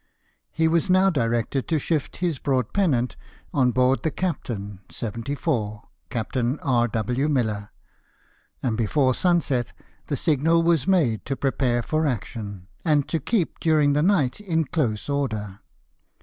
He was now directed to shift his broad pennant on board the Captain, 74, Captain R W. Miller ; and before sunset the signal was made to prepare for action, and to keep during the night in close order.